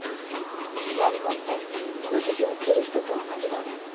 石槍持ってイノシシを追ってる人と同じだね。